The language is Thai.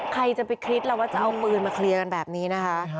ใครจะไปคิดแล้วว่าจะเอาปืนมาเคลียร์กันแบบนี้นะคะ